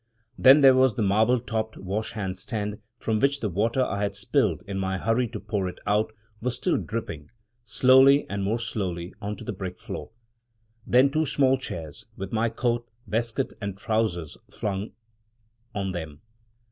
Then there was the marble topped wash hand stand, from which the water I had spilled, in my hurry to pour it out, was still dripping, slowly and more slowly, on to the brick floor. Then two small chairs, with my coat, waistcoat, and trousers flung on them.